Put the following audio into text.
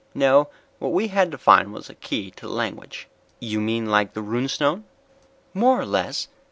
No, what we had to find was a key to the language." "You mean like the Rune Stone?" "More or less.